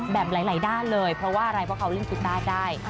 แบบหลายด้านเลยเพราะว่าเขาเล่นกีตาร์ได้